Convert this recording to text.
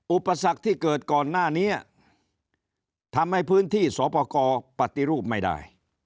อุปสรรคที่เกิดก่อนหน้านี้ทำให้พื้นที่สอปกรปฏิรูปไม่ได้